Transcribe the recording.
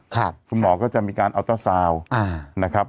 คุณหมอก็จะมีการอัลเตอร์ซาวน์นะครับ